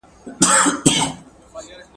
يو به مړ نه سي، بل به موړ نه سي.